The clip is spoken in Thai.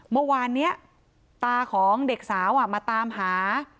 เมื่อวานนี้ตาของเด็กสาวมาตามหา